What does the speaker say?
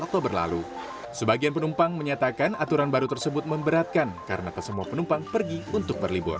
terbang masalah baru